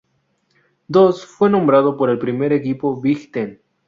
Doss fue nombrado para el primer equipo Big Ten.